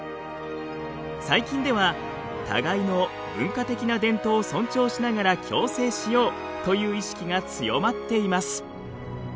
最近では互いの文化的な伝統を尊重しながら共生しようという意識が強まっています。